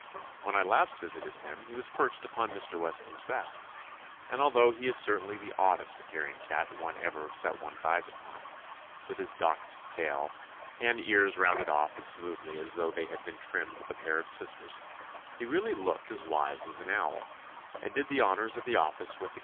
When I last visited him he was perched upon Mr. Weston's desk, and, although he is certainly the oddest appearing cat one ever set one's eyes upon, — with his docked tail, and ears rounded off as 216 TOMMY POSTOFFICE smoothly as though they had been trimmed with a pair of scissors, — he really looked as wise as an owl, and did the honors of the office with the "Owney of the Mail Bags."